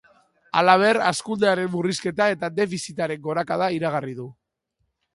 Halaber, hazkundearen murrizketa eta defizitaren gorakada iragarri du.